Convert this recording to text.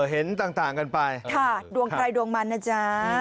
เห็นต่างกันไปค่ะดวงใครดวงมันนะจ๊ะ